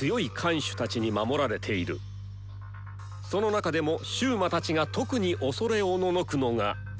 その中でも囚魔たちが特に恐れおののくのが。